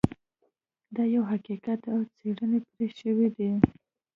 دا یو حقیقت دی او څیړنې پرې شوي دي